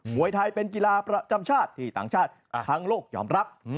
วยไทยเป็นกีฬาประจำชาติที่ต่างชาติทั้งโลกยอมรับ